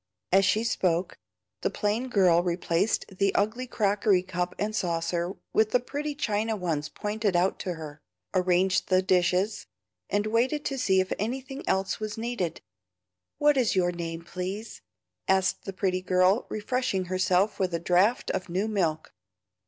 As she spoke, the plain girl replaced the ugly crockery cup and saucer with the pretty china ones pointed out to her, arranged the dishes, and waited to see if anything else was needed. "What is your name, please?" asked the pretty girl, refreshing herself with a draught of new milk.